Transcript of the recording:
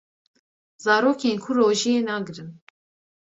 Zarokên ku rojiyê nagrin